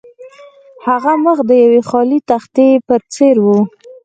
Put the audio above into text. د هغه مخ د یوې خالي تختې په څیر و